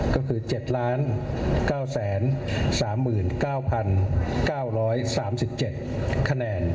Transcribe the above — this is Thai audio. ก็คือ๗๙๓๙๙๓๗คะแนน